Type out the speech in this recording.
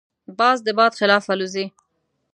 باز د باد خلاف الوزي